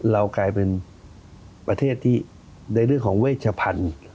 เรากลายเป็นประเทศที่ในเรื่องของเวชพันธุ์